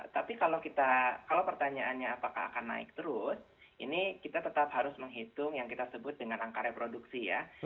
tapi kalau pertanyaannya apakah akan naik terus ini kita tetap harus menghitung yang kita sebut dengan angka reproduksi ya